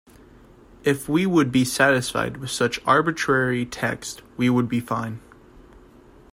If we would be satisfied with such arbitrary text, we would be fine.